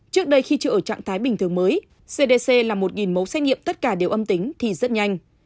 trước đây khi chưa ở trạng thái bình thường mới cdc là một mẫu xét nghiệm tất cả đều âm tính thì rất nhanh